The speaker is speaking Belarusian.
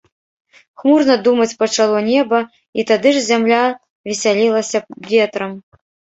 Хмурна думаць пачало неба, і тады ж зямля весялілася ветрам.